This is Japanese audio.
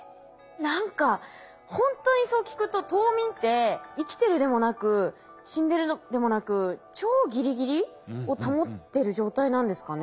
何かほんとにそう聞くと冬眠って生きてるでもなく死んでるのでもなく超ギリギリを保ってる状態なんですかね。